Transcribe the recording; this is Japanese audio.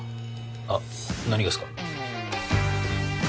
あっ何がですか？